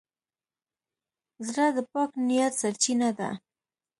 زړه د پاک نیت سرچینه ده.